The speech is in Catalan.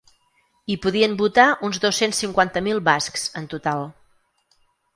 Hi podien votar uns dos-cents cinquanta mil bascs en total.